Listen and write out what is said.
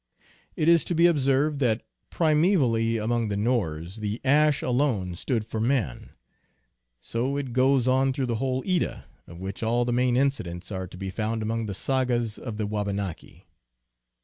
It is to be observed that primevally among the Norse the ash alone stood for man. So it goes on through the whole Edda, of which all the main incidents are to be found among the sagas of the Wabanaki.